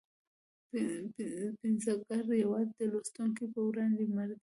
پنځګر یوازې د لوستونکي په وړاندې مړ دی.